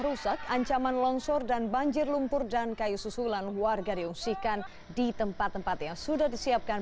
rusak ancaman longsor dan banjir lumpur dan kayu susulan warga diungsikan di tempat tempat yang sudah disiapkan